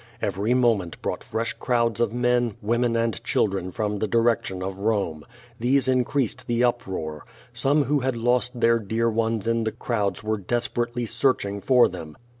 Every moment brought fresh crowds of men, women and children from the direction of Home. These increased the uproar. Some who had lost their dear ones in the crowds were desperately searching for them.